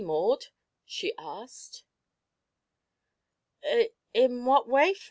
Maud?" she asked. "I in what way, Flo?"